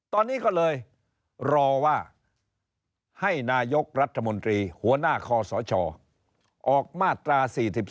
ตอนนี้ก็เลยรอว่าให้นายกรัฐมนตรีหัวหน้าคอสชออกมาตรา๔๔